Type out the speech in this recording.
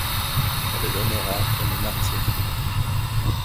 Elle l’honora comme martyr.